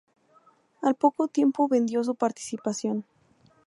Al poco tiempo vendió su participación.